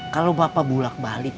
kalau bapak bolak balik